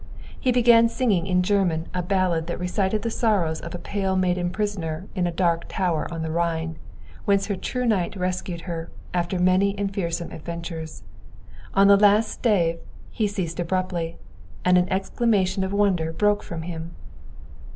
He began singing in German a ballad that recited the sorrows of a pale maiden prisoner in a dark tower on the Rhine, whence her true knight rescued her, after many and fearsome adventures. On the last stave he ceased abruptly, and an exclamation of wonder broke from him.